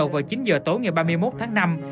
vào tối ngày ba mươi một tháng năm